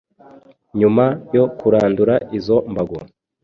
Nyuma yo kurandura izo mbago,